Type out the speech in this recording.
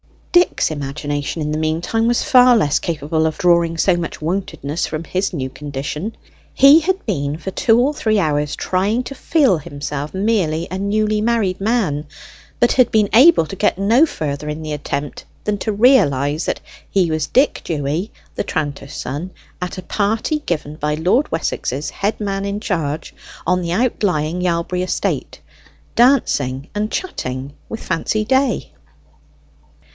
Dick's imagination in the meantime was far less capable of drawing so much wontedness from his new condition. He had been for two or three hours trying to feel himself merely a newly married man, but had been able to get no further in the attempt than to realize that he was Dick Dewy, the tranter's son, at a party given by Lord Wessex's head man in charge, on the outlying Yalbury estate, dancing and chatting with Fancy Day.